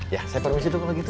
ya saya permisi itu kalau gitu